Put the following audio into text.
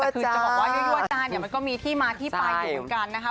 แต่คือจะบอกว่ายั่วได้เนี่ยมันก็มีที่มาที่ไปอยู่เหมือนกันนะคะ